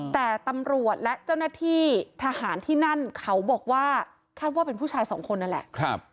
แต่ตำรวจและเจ้าหน้าที่ทหารที่นั่นเขาบอกว่าคาดว่าเป็นผู้ชายสองคนนั่นแหละ